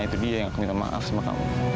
itu dia yang aku minta maaf sama kamu